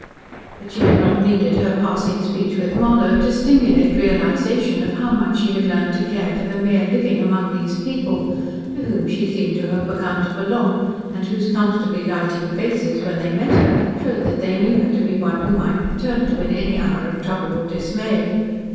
But she had not needed her passing speech with Marlow to stimulate realisation of how much she had learned to care for the mere living among these people, to whom she seemed to have begun to belong, and whose comfortably lighting faces when they met her showed that they knew her to be one who might be turned to in any hour of trouble or dismay.